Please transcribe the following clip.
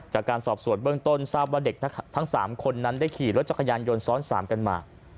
จากการสอบสวดเบื้องต้นทั้ง๓คนนั้นได้ขี่รถจังขยานยนต์ซ้อน๓กันมา